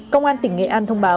công an tỉnh nghệ an thông báo